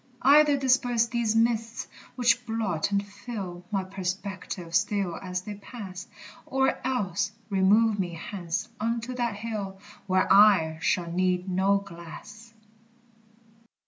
Either disperse these mists, which blot and fill My perspective still as they pass; Or else remove me hence unto that hill Where I shall need no glass.